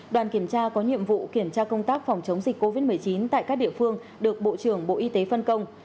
đoàn kiểm tra có nhiệm vụ kiểm tra công tác phòng chống dịch covid một mươi chín tại các địa phương được bộ trưởng bộ y tế phân công